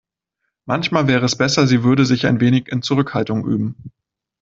Manchmal wäre es besser, sie würde sich ein wenig in Zurückhaltung üben.